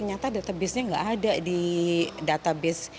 ternyata database nya tidak ada di database